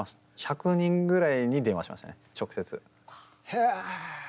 へえ！